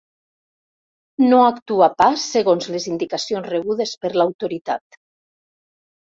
No actuà pas segons les indicacions rebudes per l'autoritat.